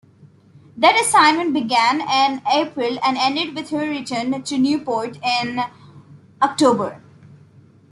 That assignment began in April and ended with her return to Newport in October.